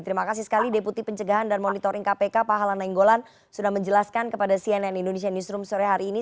terima kasih sekali deputi pencegahan dan monitoring kpk pak hala nainggolan sudah menjelaskan kepada cnn indonesia newsroom sore hari ini